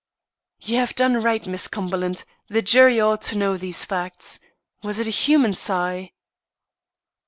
"You have done right, Miss Cumberland. The jury ought to know these facts. Was it a human sigh?"